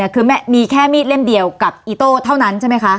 คือมีแค่มีดเล่มเดียวกับอีโต้เท่านั้นใช่ไหมคะ